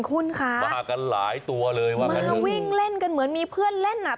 คุณค่ะมากันหลายตัวเลยมาวิ่งเล่นกันเหมือนมีเพื่อนเล่นอ่ะ